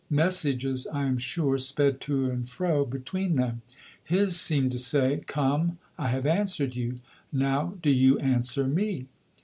Messages, I am sure, sped to and fro between them. His seemed to say, "Come, I have answered you. Now do you answer me."